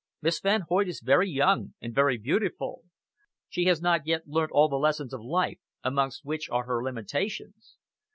Miss Van Hoyt is very young and very beautiful. She has not yet learnt all the lessons of life amongst which are her limitations.